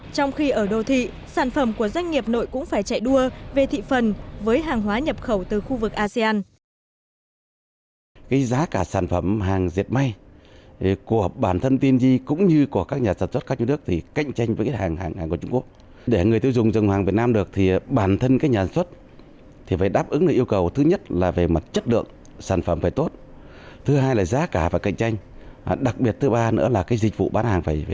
trong khi ở đô thị sản phẩm của doanh nghiệp nội cũng phải chạy đua về thị phần với hàng hóa nhập khẩu từ khu vực asean